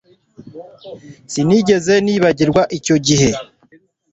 sinigeze nibagirwa icyo gihe